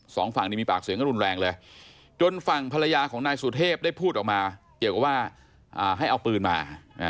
สองฝั่งนี้มีปากเสียงกันรุนแรงเลยจนฝั่งภรรยาของนายสุเทพได้พูดออกมาเกี่ยวกับว่าให้เอาปืนมา